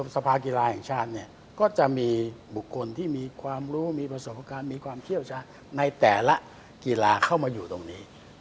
สภากีฬาแห่งชาติเนี่ยก็จะมีบุคคลที่มีความรู้มีประสบการณ์มีความเชี่ยวชาญในแต่ละกีฬาเข้ามาอยู่ตรงนี้